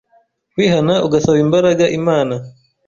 Kwihana ugasaba imbaraga Imana.